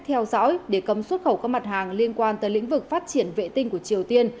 theo dõi để cấm xuất khẩu các mặt hàng liên quan tới lĩnh vực phát triển vệ tinh của triều tiên